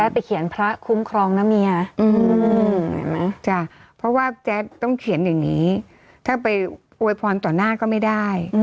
เพราะว่าแจ๊ะต้องเขียนอย่างนี้ถ้าไปโวยพรต่อหน้าก็ไม่ได้